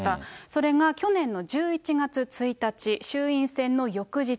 それが去年の１１月１日、衆院選の翌日。